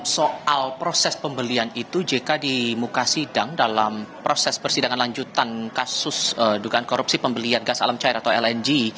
soal proses pembelian itu jk di muka sidang dalam proses persidangan lanjutan kasus dugaan korupsi pembelian gas alam cair atau lng